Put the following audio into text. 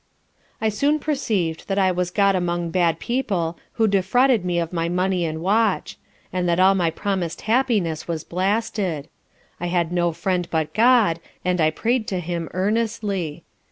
I soon perceived that I was got among bad people, who defrauded me of my money and watch; and that all my promis'd happiness was blasted, I had no friend but GOD and I pray'd to Him earnestly.